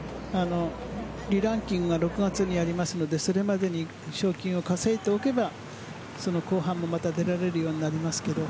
リランキングが６月にありますのでそれまでに賞金を稼いでおけばその後半も出られるようになりますけど。